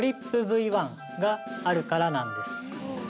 １があるからなんです